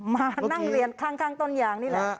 มานั่งเรียนข้างต้นยางนี่แหละ